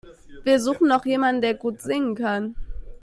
Wir suchen noch jemanden, der gut singen kann.